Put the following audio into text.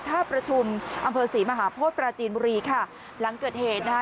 ท่าประชุมอำเภอศรีมหาโพธิปราจีนบุรีค่ะหลังเกิดเหตุนะคะ